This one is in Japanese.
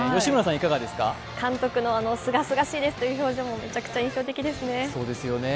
監督のすがすがしいですという表情もめちゃくちゃ印象的ですね。